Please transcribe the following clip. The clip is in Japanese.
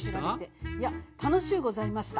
いや楽しゅうございました。